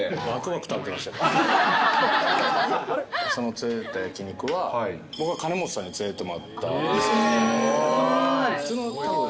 連れてった焼き肉は、僕が金本さんに連れてってもらったんです。